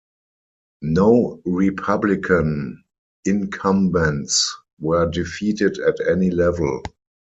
No Republican incumbents were defeated at any level.